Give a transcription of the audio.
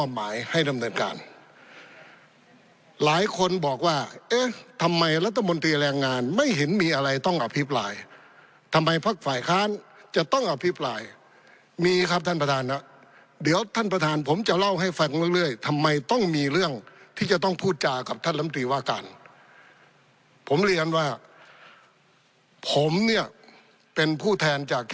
หมายให้ดำเนินการหลายคนบอกว่าเอ๊ะทำไมรัฐมนตรีแรงงานไม่เห็นมีอะไรต้องอภิปรายทำไมพักฝ่ายค้านจะต้องอภิปรายมีครับท่านประธานนะเดี๋ยวท่านประธานผมจะเล่าให้ฟังเรื่อยทำไมต้องมีเรื่องที่จะต้องพูดจากับท่านลำตีว่าการผมเรียนว่าผมเนี่ยเป็นผู้แทนจาก